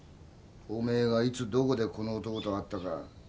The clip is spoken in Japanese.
お前がいつどこでこの男と会ったか。